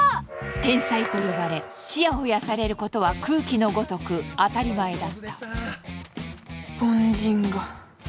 天才と呼ばれちやほやされることは空気のごとく当たり前だった凡人が